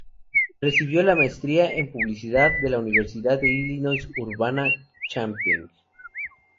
Recibió la maestría en Publicidad de la Universidad de Illinois en Urbana-Champaign.